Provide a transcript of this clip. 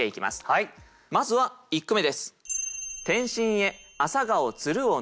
まずは１句目です。